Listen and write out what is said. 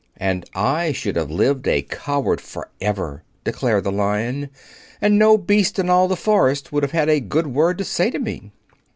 "And I should have lived a coward forever," declared the Lion, "and no beast in all the forest would have had a good word to say to me."